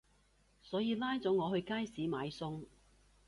所以拉咗我去街市買餸